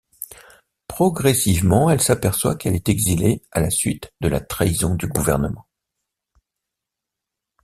Progressivement, elle s'aperçoit qu'elle est exilée à la suite de la trahison du gouvernement.